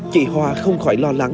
chị hoa không khỏi lo lắng